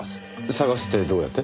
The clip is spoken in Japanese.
探すってどうやって？